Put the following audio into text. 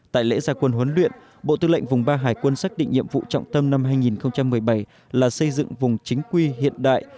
tại lễ gia quân huấn luyện bộ tư lệnh vùng ba hải quân xác định nhiệm vụ trọng tâm năm hai nghìn một mươi bảy là xây dựng vùng chính quy hiện đại